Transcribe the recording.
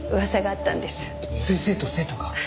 先生と生徒が？